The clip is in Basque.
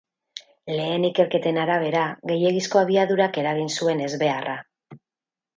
Lehen ikerketen arabera, gehiegizko abiadurak eragin zuen ezbeharra.